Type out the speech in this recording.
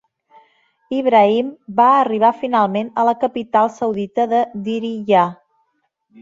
Ibrahim va arribar finalment a la capital saudita de Diriyah.